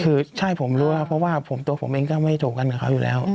คือใช่ผมรู้ครับเพราะว่าตัวผมเองก็ไม่ถูกกันกับเขาอยู่แล้ว